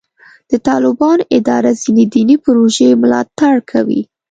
د طالبانو اداره ځینې دیني پروژې ملاتړ کوي.